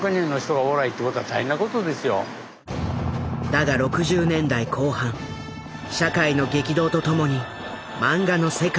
だが６０年代後半社会の激動とともに漫画の世界も変わり始める。